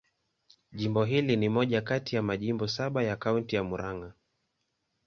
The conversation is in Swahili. Jimbo hili ni moja kati ya majimbo saba ya Kaunti ya Murang'a.